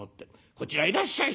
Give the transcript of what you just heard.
こちらへいらっしゃい。